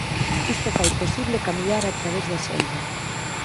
Isto fai posible camiñar a través da selva.